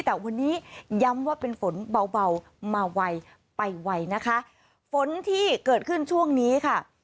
แต่วันนี้ย้ำว่าเป็นฝนเบาเบามาไวไปไวนะคะฝนที่เกิดขึ้นช่วงนี้ค่ะ